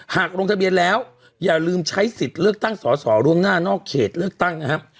ลงทะเบียนแล้วอย่าลืมใช้สิทธิ์เลือกตั้งสอสอล่วงหน้านอกเขตเลือกตั้งนะครับ